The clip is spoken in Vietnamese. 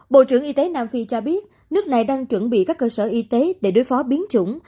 bộ trưởng y tế nam phi cho biết nước này đang chuẩn bị các cơ sở y tế để đối phó biến chủng